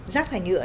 rác thải nhựa